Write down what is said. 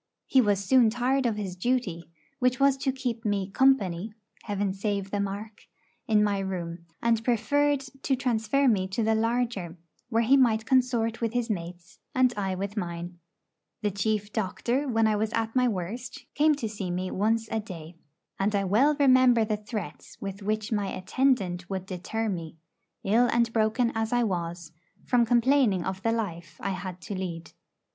He was soon tired of his duty, which was to keep me 'company' (Heaven save the mark!) in my room, and preferred to transfer me to the larger, where he might consort with his mates, and I with mine. The chief doctor, when I was at my worst, came to see me once a day. And I well remember the threats with which my 'attendant' would deter me, ill and broken as I was, from complaining of the life I had to lead.